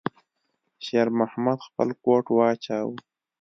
شېرمحمد خپل کوټ واچاوه.